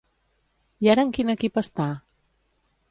I ara en quin equip està?